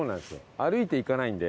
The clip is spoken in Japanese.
歩いて行かないんで。